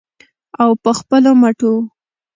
او په خپلو مټو.